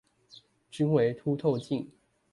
均為凸透鏡